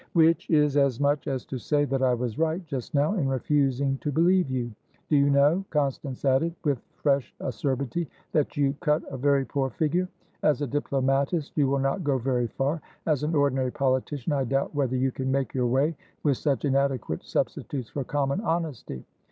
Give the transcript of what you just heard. "Which is as much as to say that I was right, just now, in refusing to believe you. Do you know," Constance added, with fresh acerbity, "that you cut a very poor figure? As a diplomatist, you will not go very far. As an ordinary politician, I doubt whether you can make your way with such inadequate substitutes for common honesty.